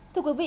thưa quý vị